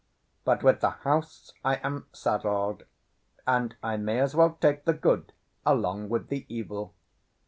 But with the house I am saddled, and I may as well take the good along with the evil."